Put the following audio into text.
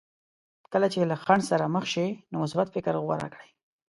کله چې له خنډ سره مخ شئ نو مثبت فکر غوره کړئ.